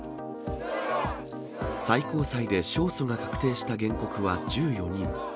最高裁で勝訴が確定した原告は１４人。